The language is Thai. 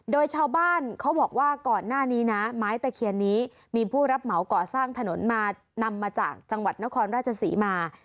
โดยชาวบ้านเขาบอกว่าก่อนหน้านี้นะไม้ตะเคียนนี้มีผู้รับเหมาก่อสร้างถนนมานำมาจากจังหวัดนครราชศรีมา